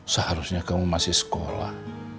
seharusnya kamu masih sekolah